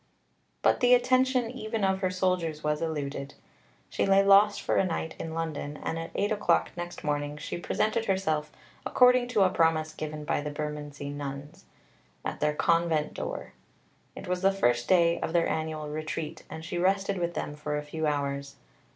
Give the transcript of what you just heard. But the attention even of her soldiers was eluded. She lay lost for a night in London, and at eight o'clock next morning she presented herself, according to a promise given to the Bermondsey Nuns, at their Convent door. It was the first day of their annual Retreat, and she rested with them for a few hours.